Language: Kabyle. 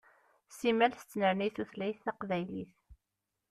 Simmal tettnerni tutlayt taqbaylit.